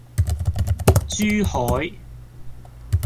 珠海